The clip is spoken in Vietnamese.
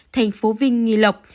tp vinh nghì lộc